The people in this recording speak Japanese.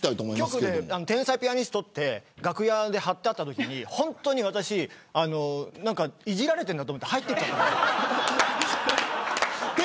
局で天才ピアニストって楽屋で貼ってあったときにほんとに、私いじられてるなと思って入っていったんです。